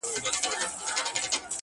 پوه انسان د حقیقت له موندلو خوند اخلي